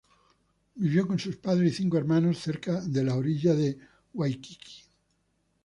Vivió con sus padres y cinco hermanos cerca de la orilla de Waikiki.